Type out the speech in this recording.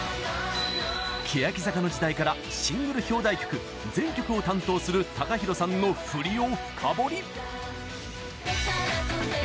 欅坂の時代からシングル表題曲全曲を担当するＴＡＫＡＨＩＲＯさんの振りを深掘り。